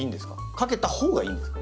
かけたほうがいいんですか？